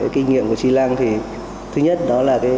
kinh nghiệm của tri lăng thì thứ nhất đó là